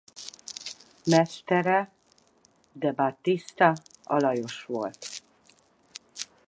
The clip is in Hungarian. Mestere De Battista Alajos volt.